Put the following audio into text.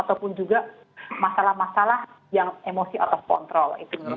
ataupun juga masalah masalah yang emosi out of control